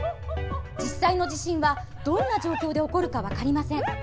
実際の地震は、どんな状況で起こるか分かりません。